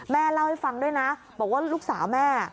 แม่เล่าให้ฟังด้วยนะบอกว่าลูกสาวแม่